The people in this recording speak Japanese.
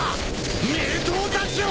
名刀たちを！